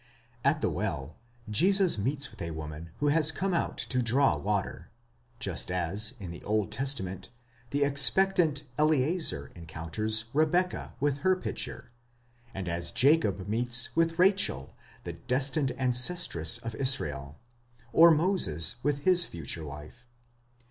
At the well Jesus meets with a woman who has come out to draw water, just as, in the Old Testament, the expectant Eliezer encounters. Rebekah with her pitcher, and as Jacob meets with Rachel, the destined ancestress of Israel, or Moses with his future wife.